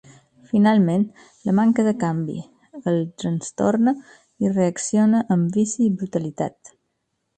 Finalment, la manca de canvi el trastorna i reacciona amb vici i brutalitat.